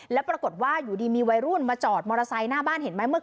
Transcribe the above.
แล้วปรากฏว่าอยู่ดีมีวัยรุ่นมาจอดมอเตอร์ไซค์หน้าบ้านเห็นไหม